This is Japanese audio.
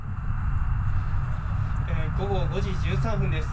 午後５時１３分です。